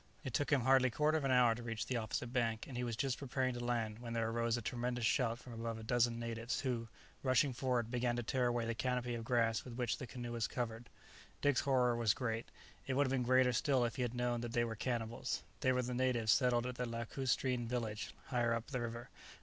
It took him hardly a quarter of an hour to reach the opposite bank, and he was just preparing to land when there arose a tremendous shout from about a dozen natives, who, rushing forward, began to tear away the canopy of grass with which the canoe was covered. Dick's horror was great. It would have been greater still if he had known that they were cannibals. They were the natives settled at the lacustrine village higher up the river.